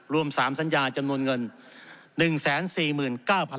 รวม๓สัญญาที่สงทรรย์จำนวนเงิน